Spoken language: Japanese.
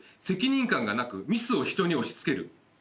「責任感がなくミスを人に押し付ける」